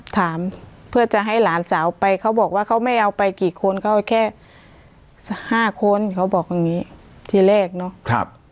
ถามเพื่อจะให้หลานสาวไปเขาบอกว่าเขาไม่เอาไปกี่คนเขาแค่๕คนเขาบอกอย่างนี้ทีแรกเนาะ